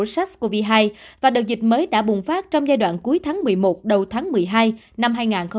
sars cov hai và đợt dịch mới đã bùng phát trong giai đoạn cuối tháng một mươi một đầu tháng một mươi hai năm hai nghìn hai mươi